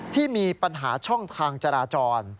ที่มีปัญหาช่องทางจราจร